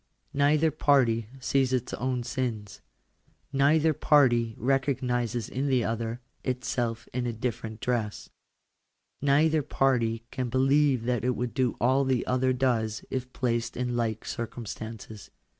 Neither party sees its own sins. Neither party recognises in the other, itself in a different dress. Neither j party can believe that it would do all the other does if placed i in like circumstances.